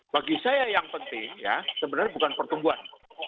bagi saya yang penting ya sebenarnya bukan pertumbuhan